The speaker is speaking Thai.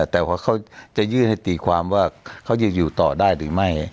แต่ว่าเขาจะยื่นให้ตีความว่าเขาจะอยู่ต่อได้หรือไม่